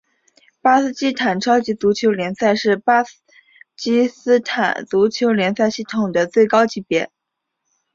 巴基斯坦超级足球联赛是巴基斯坦足球联赛系统的最高级别。